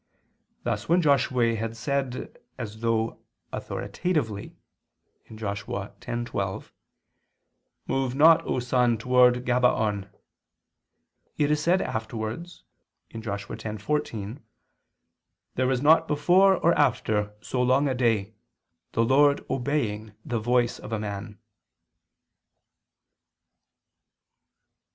Thus when Josue had said as though authoritatively (Josh. 10:12): "Move not, O sun, toward Gabaon," it is said afterwards (Josh. 10:14): "There was not before or after so long a day, the Lord obeying the voice of a man."